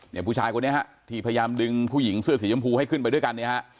ผู้ชายคนนี้ฮะที่พยายามดึงผู้หญิงเสื้อสีชมพูให้ขึ้นไปด้วยกันเนี่ยฮะ